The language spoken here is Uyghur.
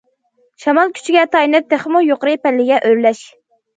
شامال كۈچىگە تايىنىپ، تېخىمۇ يۇقىرى پەللىگە ئۆرلەش.